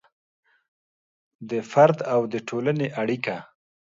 د فرد او د ټولنې اړیکه